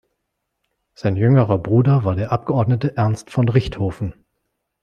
Sein jüngerer Bruder war der Abgeordnete Ernst von Richthofen.